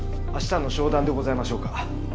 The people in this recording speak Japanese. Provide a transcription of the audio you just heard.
明日の商談でございましょうか？